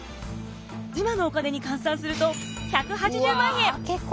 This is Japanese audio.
今のお金に換算すると１８０万円！